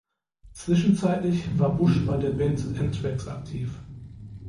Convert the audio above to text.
Zwischenzeitlich war Bush bei der Band Anthrax aktiv.